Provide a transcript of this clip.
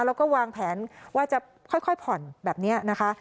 แล้วก็วางแผนว่าจะค่อยผ่อนแบบนี้นะคะ